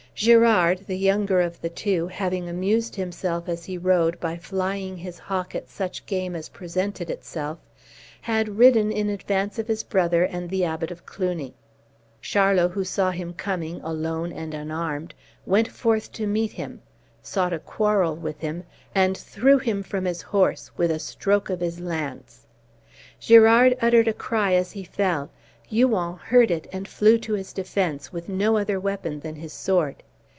Girard, the younger of the two, having amused himself as he rode by flying his hawk at such game as presented itself, had ridden in advance of his brother and the Abbot of Cluny. Charlot, who saw him coming, alone and unarmed, went forth to meet him, sought a quarrel with him, and threw him from his horse with a stroke of his lance. Girard uttered a cry as he fell; Huon heard it, and flew to his defence, with no other weapon than his sword.